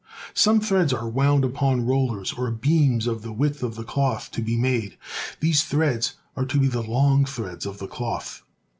Some threads are wound upon rollers or beams of the width of the cloth to be made. These threads are to be the long threads of the cloth.